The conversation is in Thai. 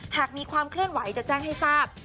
หากมีความเคลื่อนไหวจะแจ้งให้ทราบ